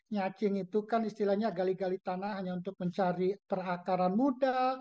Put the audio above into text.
nyacing itu kan istilahnya gali gali tanah hanya untuk mencari perakaran muda